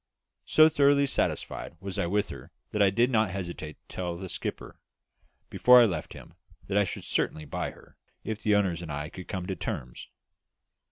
So thoroughly satisfied was I with her that I did not hesitate to tell the skipper, before I left him, that I should certainly buy her, if the owners and I could come to terms.